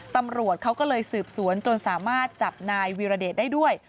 ตำรวจเขาก็เลยสืบสวนจนสามารถจับนายวีรเดชได้ด้วย